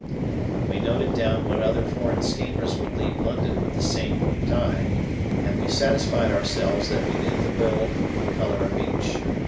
But we noted down what other foreign steamers would leave London with the same tide, and we satisfied ourselves that we knew the build and colour of each.